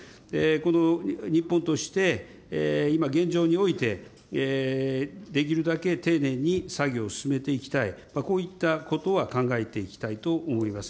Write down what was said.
この日本として、今、現状において、できるだけ丁寧に作業を進めていきたい、こういったことは考えていきたいと思います。